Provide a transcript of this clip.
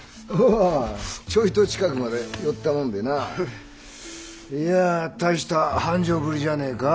ちょいと近くまで寄ったもんでな。いや大した繁盛ぶりじゃねえか。